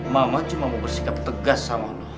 mama cuma mau bersikap tegas sama mama